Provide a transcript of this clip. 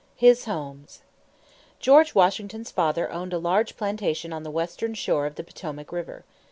HIS HOMES. George Washington's father owned a large plantation on the western shore of the Potomac River.